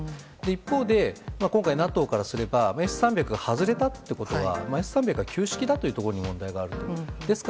一方で今回ＮＡＴＯからすればＳ３００が外れたということはＳ３００が旧式だということに問題があると思います。